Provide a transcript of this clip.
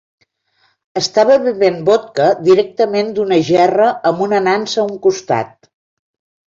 Estava bevent vodka directament d'una gerra amb una nansa a un costat.